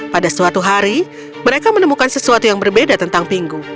pada suatu hari mereka menemukan sesuatu yang berbeda tentang pingu